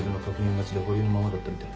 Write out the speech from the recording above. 待ちで保留のままだったみたい。